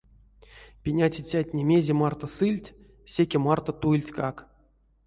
Пеняцицятне мезе марто сыльть, секе марто туильтькак.